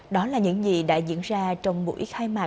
đó là những gì đã diễn ra trong buổi khai mạc